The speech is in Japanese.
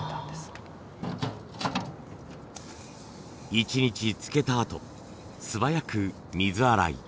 １日つけたあと素早く水洗い。